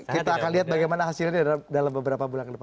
kita akan lihat bagaimana hasilnya dalam beberapa bulan ke depan